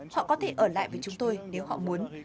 họ có thể ở lại với chúng tôi nếu họ muốn